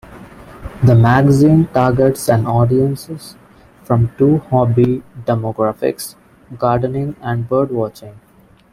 The magazine targets an audiences from two hobby demographics: gardening and birdwatching.